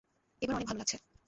এবার অনেক ভাল লাগছে।